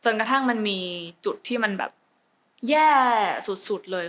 กระทั่งมันมีจุดที่มันแบบแย่สุดเลย